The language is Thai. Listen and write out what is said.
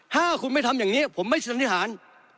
ถ้าคุณไม่ทำอย่างผมไม่สัญภาณ